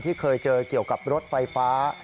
เคยเจอเกี่ยวกับรถไฟฟ้า